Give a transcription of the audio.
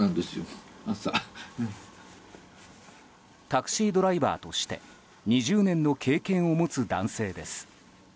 タクシードライバーとして２０年の経験を持つ男性です。